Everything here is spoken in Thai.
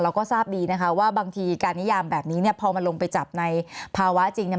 เราก็ทราบดีนะคะว่าบางทีการนิยามแบบนี้เนี่ยพอมันลงไปจับในภาวะจริงเนี่ย